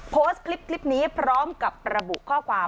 โพสต์คลิปนี้พร้อมกับระบุข้อความ